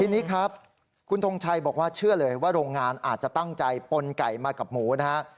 ทีนี้ครับคุณทงชัยบอกว่าเชื่อเลยว่าโรงงานอาจจะตั้งใจปนไก่มากับหมูนะฮะ